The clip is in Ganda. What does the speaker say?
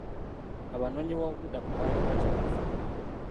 Abanoonyi b'obubudamu baali bakyamufu.